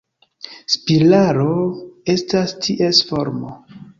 Spiralo estas ties formo.